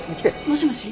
もしもし？